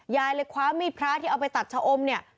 ยายเลยคว้ามีดพระที่เอาไปตัดชะอมเนี่ย